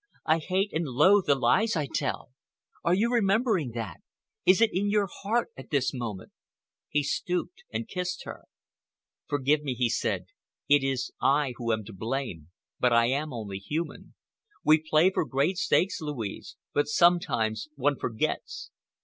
I hate and loathe the lies I tell. Are you remembering that? Is it in your heart at this moment?" He stooped and kissed her. "Forgive me," he said, "it is I who am to blame, but I am only human. We play for great stakes, Louise, but sometimes one forgets."